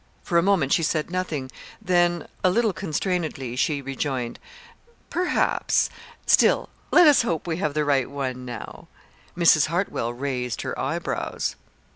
For a moment she said nothing, then, a little constrainedly, she rejoined: "Perhaps. Still let us hope we have the right one, now." Mrs. Hartwell raised her eyebrows.